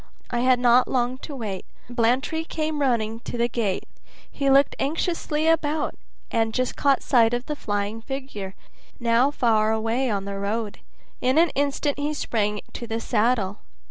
I had not long to wait. Blantyre came running to the gate; he looked anxiously about, and just caught sight of the flying figure, now far away on the road. In an instant he sprang to the saddle.